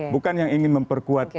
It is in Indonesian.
bukan yang ingin memperkuat